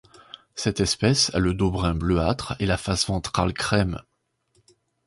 Cette espèce a le dos brun bleuâtre et la face ventrale crème.